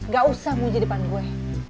gak usah muji depan gue